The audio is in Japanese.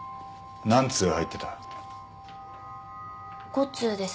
五通です。